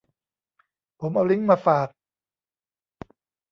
ผมเอาลิงค์มาฝาก